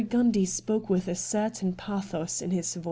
Gundy spoke with a certain pathos in his voice.